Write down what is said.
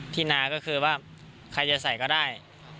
นาก็คือว่าใครจะใส่ก็ได้